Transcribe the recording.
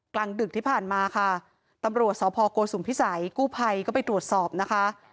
กลางดึกที่ผ่านมาค่ะตำรวจสพโกสุมพิสัยกู้ภัยก็ไปตรวจสอบนะคะ